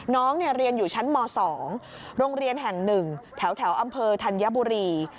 น้องเรียนอยู่ชั้นม๒โรงเรียนแห่ง๑แถวอำเภอธัญบุรี